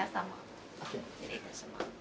失礼いたします。